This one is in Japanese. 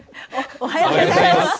おはようございます。